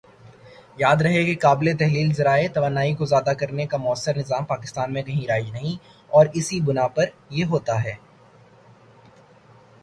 یاد رہے کہ قابلِ تحلیل ذرائع توانائی کو ذیادہ کرنے کا مؤثر نظام پاکستان میں کہیں رائج نہیں اور اسی بنا پر یہ ہوتا ہے